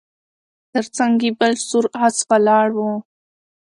تر څنګ یې بل سور آس ولاړ و